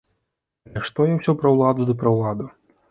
Але што я ўсё пра ўладу, ды пра ўладу.